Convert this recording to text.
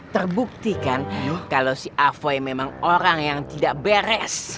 terbukti kan kalau si alfie memang orang yang tidak beres